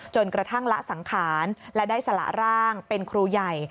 กระทั่งละสังขารและได้สละร่างเป็นครูใหญ่